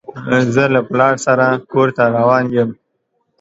زه له پلار سره کور ته روان يم.